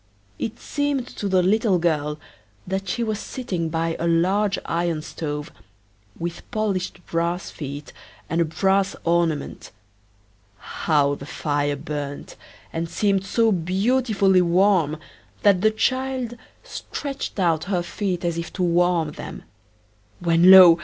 It seemed to the little girl that she was sitting by a large iron stove, with polished brass feet and a brass ornament. How the fire burned! and seemed so beautifully warm that the child stretched out her feet as if to warm them, when, lo!